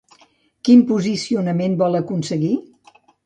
Quin posicionament vol aconseguir?